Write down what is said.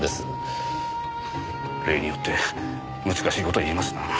例によって難しい事言いますな。